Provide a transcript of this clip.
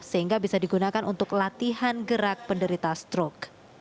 sehingga bisa digunakan untuk latihan gerak penderita strok